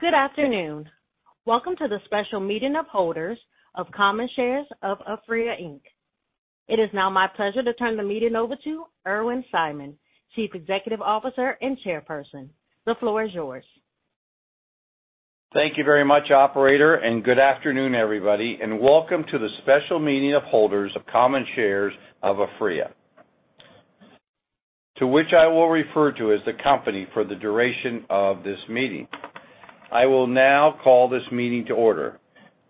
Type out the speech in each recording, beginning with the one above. Good afternoon. Welcome to the special meeting of holders of common shares of Aphria Inc. It is now my pleasure to turn the meeting over to Irwin Simon, Chief Executive Officer and Chairperson. The floor is yours. Thank you very much, Operator, and good afternoon, everybody, and welcome to the special meeting of holders of common shares of Aphria, to which I will refer to as the company for the duration of this meeting. I will now call this meeting to order.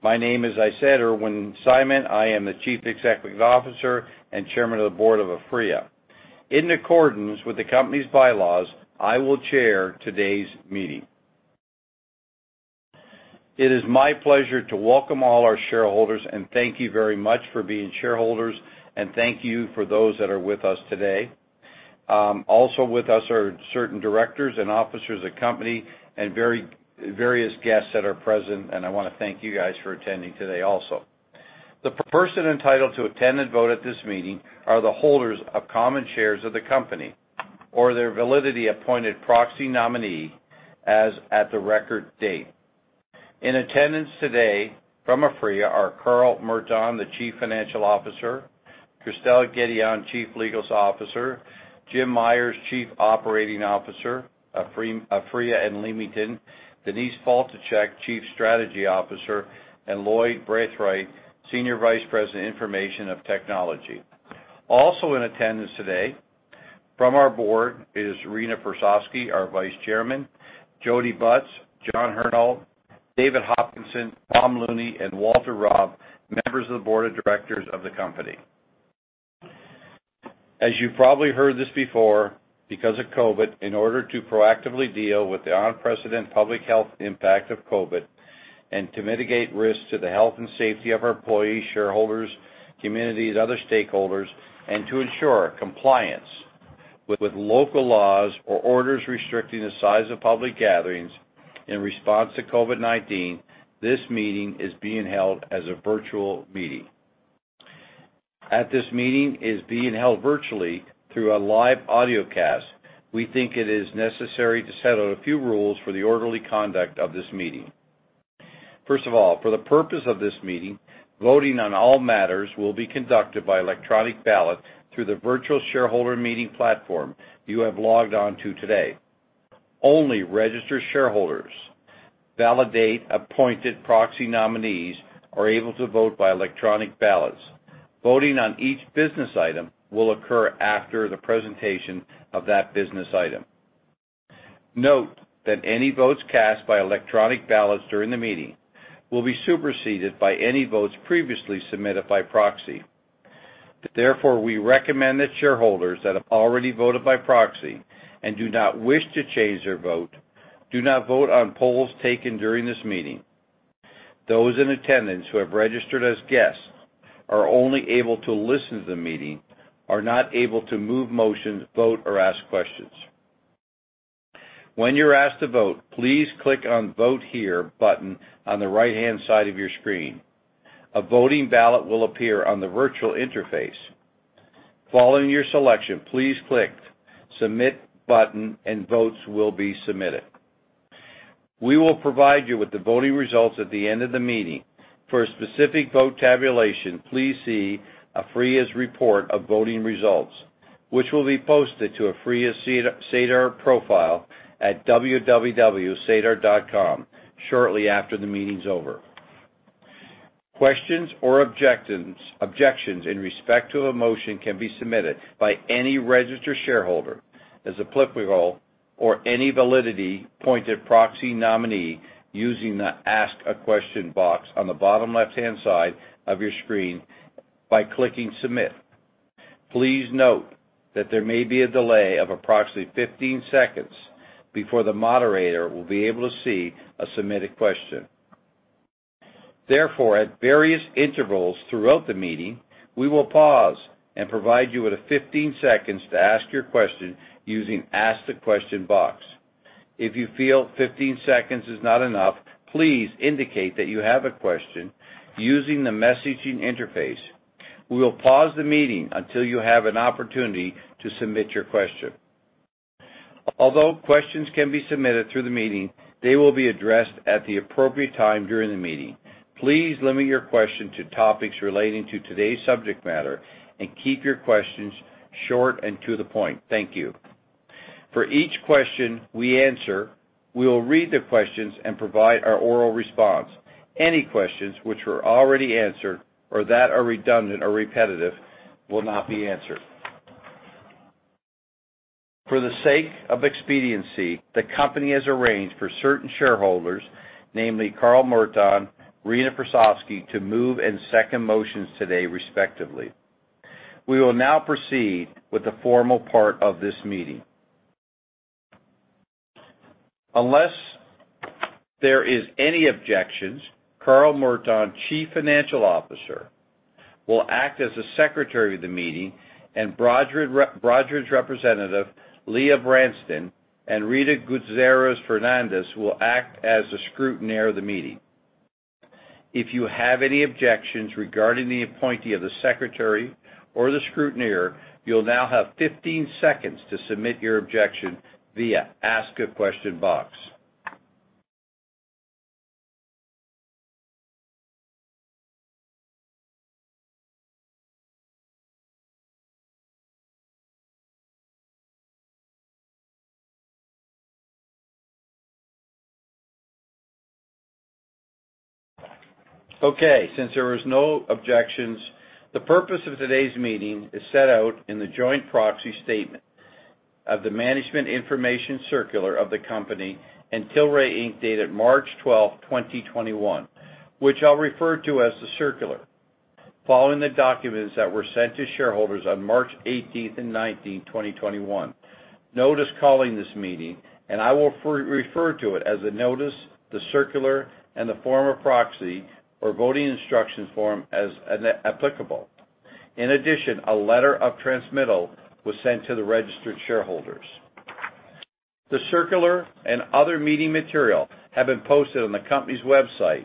My name is Irwin Simon. I am the Chief Executive Officer and Chairman of the Board of Aphria. In accordance with the company's bylaws, I will chair today's meeting. It is my pleasure to welcome all our shareholders, and thank you very much for being shareholders, and thank you for those that are with us today. Also with us are certain directors and officers of the company and various guests that are present, and I want to thank you guys for attending today also. The persons entitled to attend and vote at this meeting are the holders of common shares of the company or their validly appointed proxy nominee as at the record date. In attendance today from Aphria are Carl Merton, the Chief Financial Officer; Christelle Gedeon, Chief Legal Officer; Jim Myers, Chief Operating Officer of Aphria and Leamington; Denise Faltischek, Chief Strategy Officer; and Lloyd Brathwaite, Senior Vice President of Information Technology. Also in attendance today from our Board Renah Persofsky is our Vice Chairman; Jodi Butts, John Herhalt, David Hopkinson, Tom Looney, and Walter Robb, members of the Board of Directors of the company. As you've probably heard this before, because of COVID, in order to proactively deal with the unprecedented public health impact of COVID and to mitigate risks to the health and safety of our employees, shareholders, communities, and other stakeholders, and to ensure compliance with local laws or orders restricting the size of public gatherings in response to COVID-19, this meeting is being held as a virtual meeting. As this meeting is being held virtually through a live audio cast, we think it is necessary to set out a few rules for the orderly conduct of this meeting. First of all, for the purpose of this meeting, voting on all matters will be conducted by electronic ballot through the virtual shareholder meeting platform you have logged on to today. Only registered shareholders, validly appointed proxy nominees, are able to vote by electronic ballots. Voting on each business item will occur after the presentation of that business item. Note that any votes cast by electronic ballots during the meeting will be superseded by any votes previously submitted by proxy. Therefore, we recommend that shareholders that have already voted by proxy and do not wish to change their vote do not vote on polls taken during this meeting. Those in attendance who have registered as guests are only able to listen to the meeting, are not able to move motions, vote, or ask questions. When you're asked to vote, please click on the "Vote Here" button on the right-hand side of your screen. A voting ballot will appear on the virtual interface. Following your selection, please click the "Submit" button, and votes will be submitted. We will provide you with the voting results at the end of the meeting. For specific vote tabulation, please see Aphria's report of voting results, which will be posted to Aphria's SEDAR profile at www.sedar.com shortly after the meeting is over. Questions or objections in respect to a motion can be submitted by any registered shareholder, as a political or any validly appointed proxy nominee using the "Ask a Question" box on the bottom left-hand side of your screen by clicking "Submit." Please note that there may be a delay of approximately 15 seconds before the moderator will be able to see a submitted question. Therefore, at various intervals throughout the meeting, we will pause and provide you with 15 seconds to ask your question using the "Ask a Question" box. If you feel 15 seconds is not enough, please indicate that you have a question using the messaging interface. We will pause the meeting until you have an opportunity to submit your question. Although questions can be submitted through the meeting, they will be addressed at the appropriate time during the meeting. Please limit your question to topics relating to today's subject matter and keep your questions short and to the point. Thank you. For each question we answer, we will read the questions and provide our oral response. Any questions which were already answered or that are redundant or repetitive will not be answered. For the sake of expediency, the company has arranged for certain shareholders, namely Carl Merton and Renah Persofsky, to move and second motions today, respectively. We will now proceed with the formal part of this meeting. Unless there are any objections, Carl Merton, Chief Financial Officer, will act as Secretary of the meeting, and Broadridge's representative, Leah Branston, and Rita Gutierrez Fernandez will act as the Scrutineer of the meeting. If you have any objections regarding the appointee of the Secretary or the Scrutineer, you'll now have 15 seconds to submit your objection via the "Ask a Question" box. Okay. Since there are no objections, the purpose of today's meeting is set out in the joint proxy statement and management information circular of the company and Tilray Inc dated March 12, 2021, which I'll refer to as the circular. Following the documents that were sent to shareholders on March 18 and 19, 2021, notice calling this meeting, and I will refer to it as the notice, the circular, and the form of proxy or voting instruction form as applicable. In addition, a letter of transmittal was sent to the registered shareholders. The circular and other meeting material have been posted on the company's website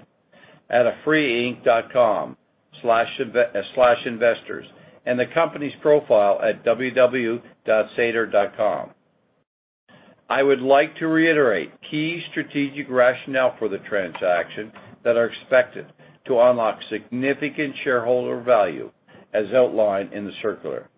at aphria.inc.com/investors and the company's profile at www.sedar.com. I would like to reiterate key strategic rationale for the transaction that are expected to unlock significant shareholder value as outlined in the circular.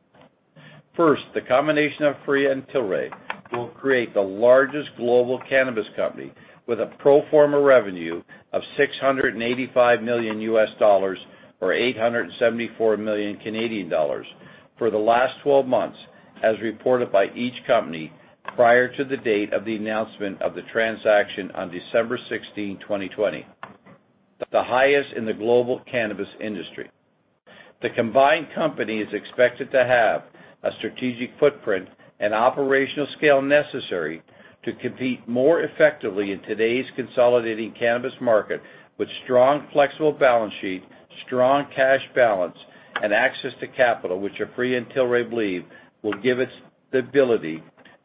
First, the combination of Aphria and Tilray will create the largest global cannabis company with a pro forma revenue of $685 million or 874 million Canadian dollars for the last 12 months, as reported by each company prior to the date of the announcement of the transaction on December 16, 2020, the highest in the global cannabis industry. The combined company is expected to have a strategic footprint and operational scale necessary to compete more effectively in today's consolidating cannabis market with strong, flexible balance sheet, strong cash balance, and access to capital, which Aphria and Tilray believe will give it the ability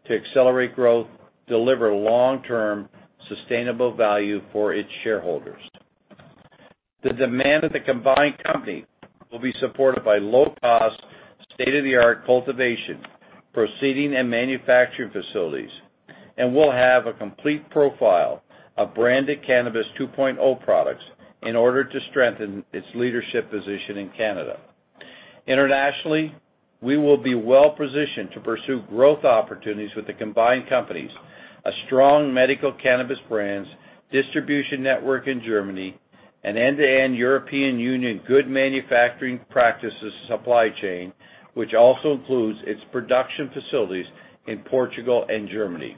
to accelerate growth, deliver long-term sustainable value for its shareholders. The demand of the combined company will be supported by low-cost, state-of-the-art cultivation, processing, and manufacturing facilities, and will have a complete profile of branded cannabis 2.0 products in order to strengthen its leadership position in Canada. Internationally, we will be well-positioned to pursue growth opportunities with the combined company's strong medical cannabis brands, distribution network in Germany, and end-to-end European Union good manufacturing practices supply chain, which also includes its production facilities in Portugal and Germany.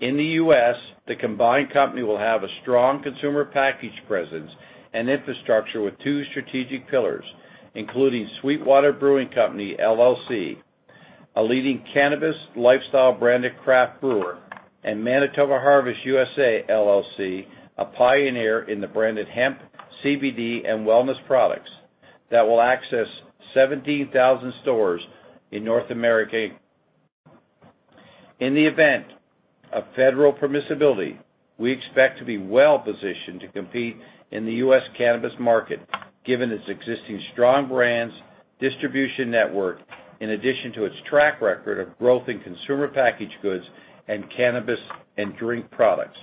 In the U.S., the combined company will have a strong consumer packaged goods presence and infrastructure with two strategic pillars, including SweetWater Brewing Company LLC, a leading cannabis lifestyle branded craft brewer, and Manitoba Harvest U.S.A. LLC, a pioneer in the branded hemp, CBD, and wellness products that will access 17,000 stores in North America. In the event of federal permissibility, we expect to be well-positioned to compete in the U.S. cannabis market given its existing strong brands, distribution network, in addition to its track record of growth in consumer packaged goods and cannabis and drink products.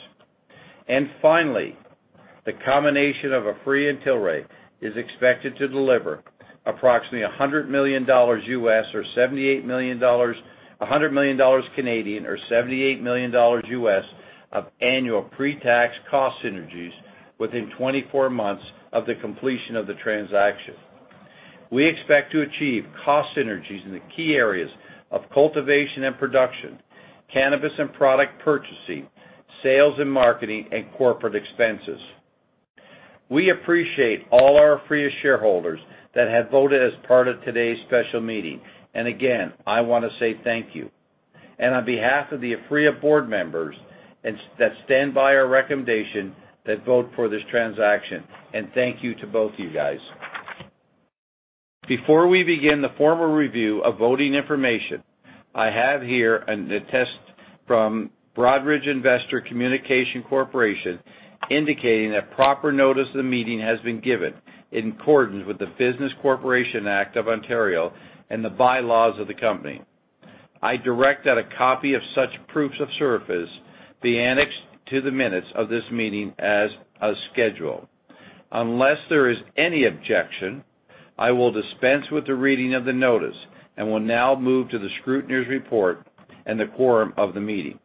The combination of Aphria and Tilray is expected to deliver approximately 100 million dollars or $78 million USD of annual pre-tax cost synergies within 24 months of the completion of the transaction. We expect to achieve cost synergies in the key areas of cultivation and production, cannabis and product purchasing, sales and marketing, and corporate expenses. We appreciate all our Aphria shareholders that have voted as part of today's special meeting, and again, I want to say thank you. On behalf of the Aphria Board members that stand by our recommendation that vote for this transaction, thank you to both of you guys. Before we begin the formal review of voting information, I have here an attest from Broadridge Investor Communication Corporation indicating that proper notice of the meeting has been given in accordance with the Business Corporations Act of Ontario and the bylaws of the company. I direct that a copy of such proofs of service be annexed to the minutes of this meeting as a schedule. Unless there is any objection, I will dispense with the reading of the notice and will now move to the Scrutineer's report and the quorum of the meeting.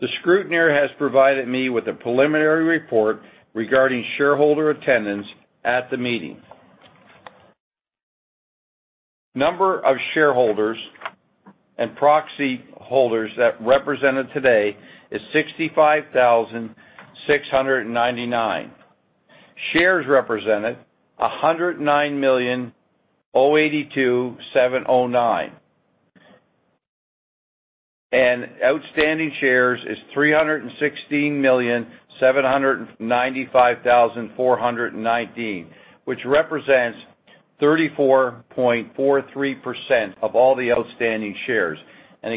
The Scrutineer has provided me with a preliminary report regarding shareholder attendance at the meeting. The number of shareholders and proxy holders that are represented today is 65,699. Shares represented: 109,082,709. Outstanding shares: 316,795,419, which represents 34.43% of all the outstanding shares. I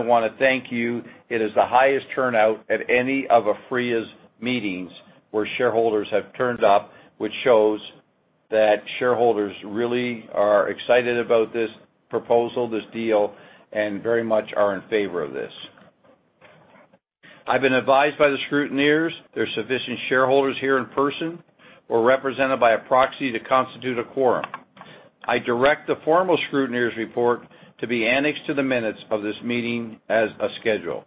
want to thank you. It is the highest turnout at any of Aphria's meetings where shareholders have turned up, which shows that shareholders really are excited about this proposal, this deal, and very much are in favor of this. I've been advised by the scrutineer there are sufficient shareholders here in person or represented by a proxy to constitute a quorum. I direct the formal Scrutineer's report to be annexed to the minutes of this meeting as a schedule.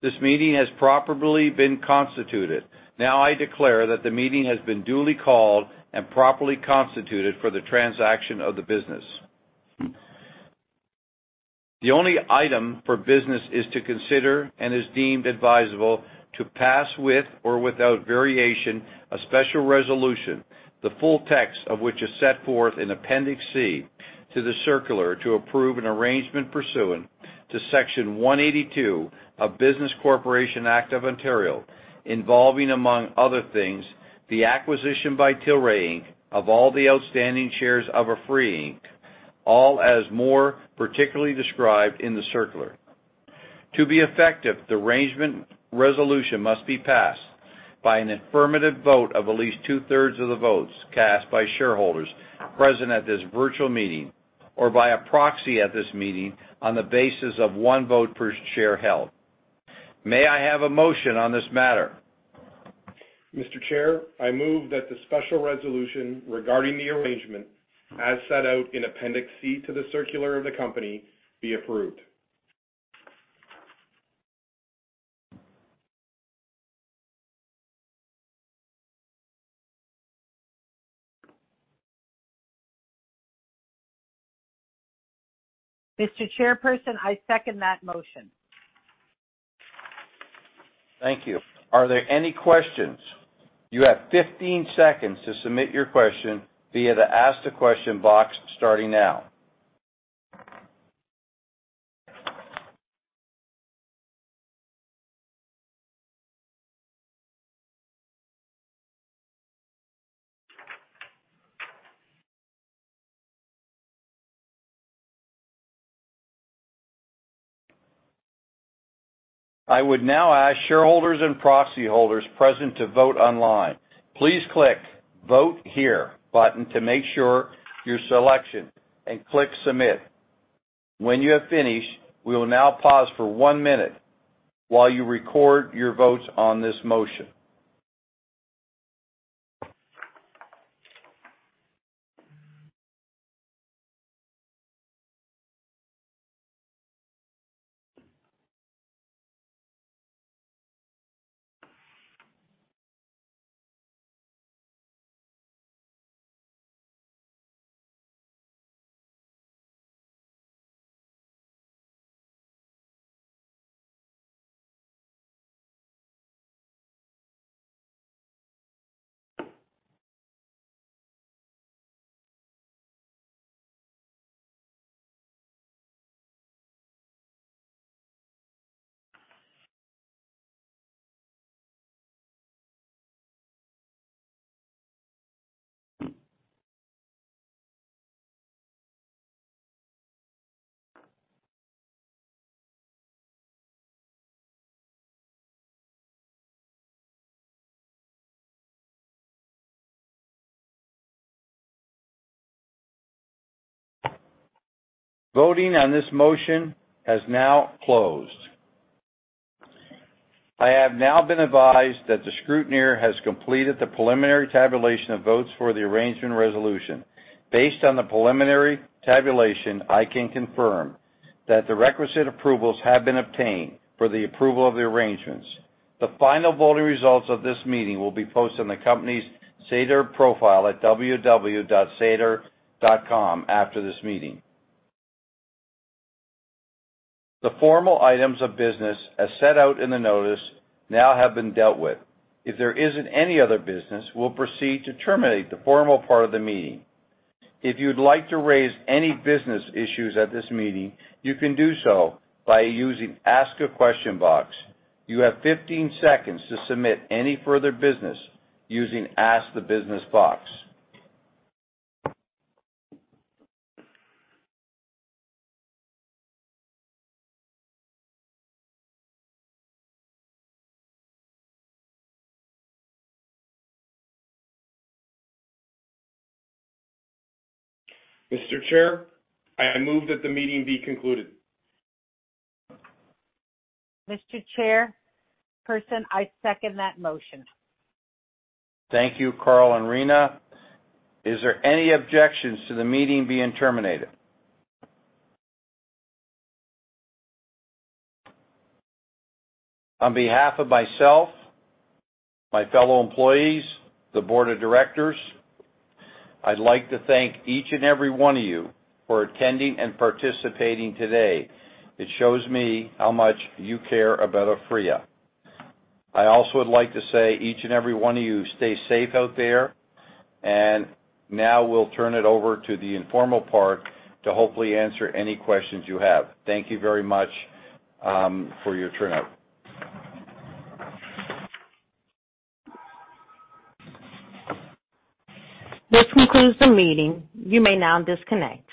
This meeting has properly been constituted. Now I declare that the meeting has been duly called and properly constituted for the transaction of the business. The only item for business is to consider and is deemed advisable to pass with or without variation a special resolution, the full text of which is set forth in Appendix C to the circular to approve an arrangement pursuant to Section 182 of the Business Corporations Act of Ontario, involving, among other things, the acquisition by Tilray Inc of all the outstanding shares of Aphria Inc, all as more particularly described in the circular. To be effective, the arrangement resolution must be passed by an affirmative vote of at least two-thirds of the votes cast by shareholders present at this virtual meeting or by a proxy at this meeting on the basis of one vote per share held. May I have a motion on this matter? Mr. Chair, I move that the special resolution regarding the arrangement, as set out in Appendix C to the circular of the company, be approved. Mr. Chairperson, I second that motion. Thank you. Are there any questions? You have 15 seconds to submit your question via the "Ask a Question" box starting now. I would now ask shareholders and proxy holders present to vote online. Please click the "Vote Here" button to make your selection and click "Submit." When you have finished, we will now pause for one minute while you record your votes on this motion. Voting on this motion has now closed. I have now been advised that the scrutineer has completed the preliminary tabulation of votes for the arrangement resolution. Based on the preliminary tabulation, I can confirm that the requisite approvals have been obtained for the approval of the arrangements. The final voting results of this meeting will be posted on the company's SEDAR profile at www.sedar.com after this meeting. The formal items of business, as set out in the notice, now have been dealt with. If there isn't any other business, we'll proceed to terminate the formal part of the meeting. If you'd like to raise any business issues at this meeting, you can do so by using the "Ask a Question" box. You have 15 seconds to submit any further business using the "Ask the Business" box. Mr. Chair, I move that the meeting be concluded. Mr. Chairperson, I second that motion. Thank you, Carl and Renah. Is there any objections to the meeting being terminated? On behalf of myself, my fellow employees, the Board of Directors, I'd like to thank each and every one of you for attending and participating today. It shows me how much you care about Tilray. I also would like to say each and every one of you stay safe out there, and now we'll turn it over to the informal part to hopefully answer any questions you have. Thank you very much for your turnout. This concludes the meeting. You may now disconnect.